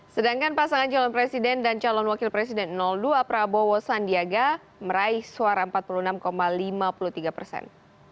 sedangkan pasangan calon presiden dan calon wakil presiden dua prabowo sandiaga meraih suara empat puluh enam lima puluh tiga persen